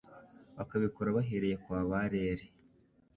bakabikora bahereye kwa ba Rere.